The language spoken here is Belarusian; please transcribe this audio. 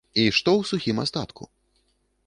І што ў сухім астатку?